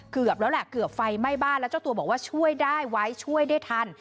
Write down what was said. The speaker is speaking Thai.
เกือบแล้วแหละเกือบไฟไหม้บ้านแล้วเจ้าตัวบอกว่าช่วยได้ไว้ช่วยได้ทัน